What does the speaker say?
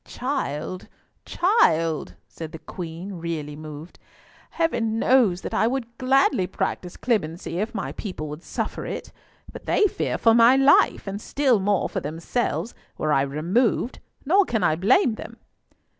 "Child, child," said the Queen, really moved, "Heaven knows that I would gladly practise clemency if my people would suffer it, but they fear for my life, and still more for themselves, were I removed, nor can I blame them."